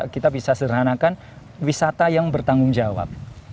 kita bisa sederhanakan wisata yang bertanggung jawab